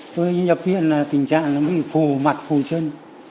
tôi nhập viện là tình trạng nó bị phù mặt phù chân